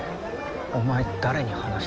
お前誰に話した。